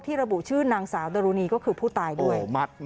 ระบุชื่อนางสาวดรุณีก็คือผู้ตายด้วย